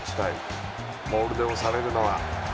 モールで押されるのは。